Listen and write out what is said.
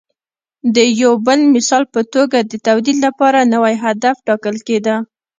د یو بل مثال په توګه د تولید لپاره نوی هدف ټاکل کېده